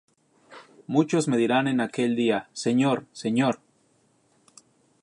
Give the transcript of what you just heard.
Muchos me dirán en aquel día: Señor, Señor,